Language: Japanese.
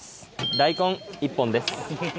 大根１本です。